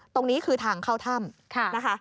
ตรงนี้คือทางเข้าท่ำ